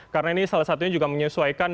karena ini salah satunya juga menyesuaikan